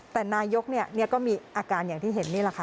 แต่นายกก็มีอาการอย่างที่เห็นนี่แหละค่ะ